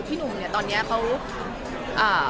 พี่หนุ่มเนี่ยตอนเนี้ยเขา